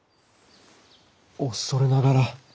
お恐れながら！